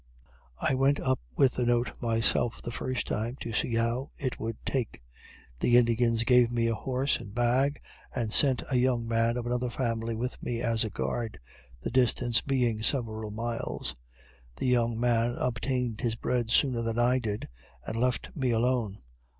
I went up with the note myself the first time, to see how it would take. The Indians gave me a horse and bag, and sent a young man of another family with me as a guard, the distance being several miles. The young man obtained his bread sooner than I did, and left me alone.